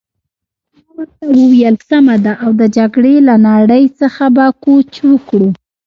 ما ورته وویل: سمه ده، او د جګړې له نړۍ څخه به کوچ وکړو.